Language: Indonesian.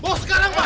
mau sekarang pak